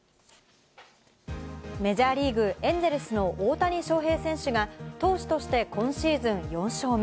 メジャーリーグ、エンゼルスの大谷翔平選手が投手として今シーズン４勝目。